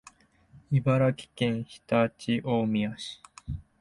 茨城県常陸大宮市